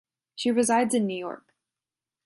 She resides in New York.